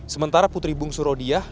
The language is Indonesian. sementara putri bung surodiah